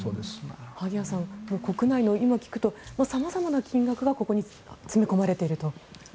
萩谷さん、今聞くと様々な金額がここに詰め込まれていると。